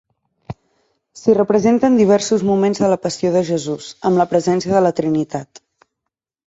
S'hi representen diversos moments de la Passió de Jesús, amb la presència de la Trinitat.